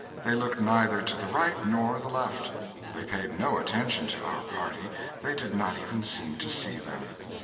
They looked neither to the right nor to the left; they paid no attention to our party, they did not even seem to see them.